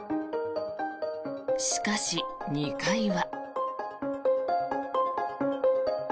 しかし、２階は。